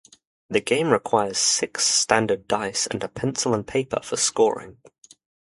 The game requires six standard dice and a pencil and paper for scoring.